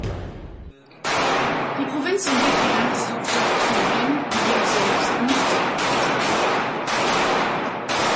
Die Provinz umgibt die Landeshauptstadt Phnom Penh, die jedoch selbst nicht zur Provinz gehört.